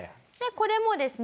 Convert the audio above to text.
これもですね